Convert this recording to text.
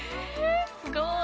すごい。